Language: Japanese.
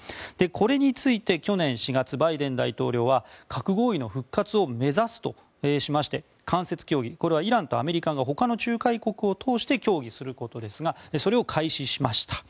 これについて去年４月バイデン大統領は核合意の復活を目指すとしまして間接協議、イランとアメリカが他の仲介国を通して協議することですがそれを開始しました。